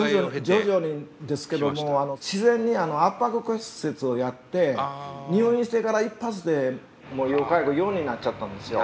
徐々にですけど自然に圧迫骨折をやって入院してから一発でもう要介護４になっちゃったんですよ。